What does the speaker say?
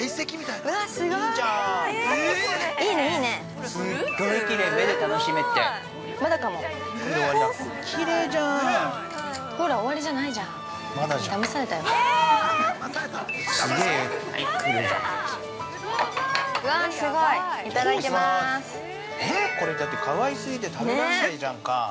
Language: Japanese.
◆だってこれ、かわいすぎて食べられないじゃんか。